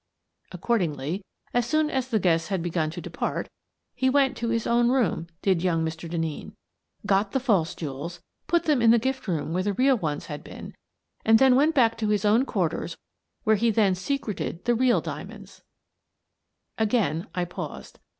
Accordingly, as soon as the guests had begun to depart, he went to his own room, did young Mr. Denneen, got the false jewels, put them in the gift room where the real ones had been, and then went back to his own quarters where he then secreted the real diamonds/' Again I paused.